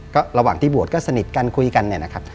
ก็ระหว่างที่บวชก็สนิทกันคุยกัน